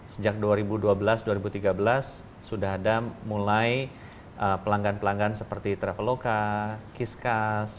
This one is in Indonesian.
sejak dua ribu dua belas dua ribu tiga belas sudah ada mulai pelanggan pelanggan seperti traveloka kiskas